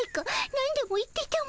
なんでも言ってたも。